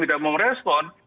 tidak mau respon